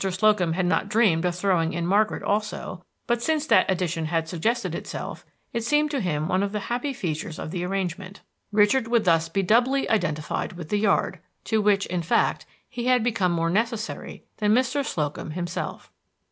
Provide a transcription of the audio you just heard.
Slocum had not dreamed of throwing in Margaret also; but since that addition had suggested itself, it seemed to him one of the happy features of the arrangement. Richard would thus be doubly identified with the yard, to which, in fact, he had become more necessary than Mr. Slocum himself.